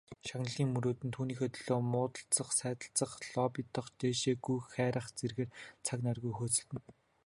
Шагналыг мөрөөднө, түүнийхээ төлөө муудалцах, сайдалцах, лоббидох, дээшээ гүйх харайх зэргээр цаг наргүй хөөцөлдөнө.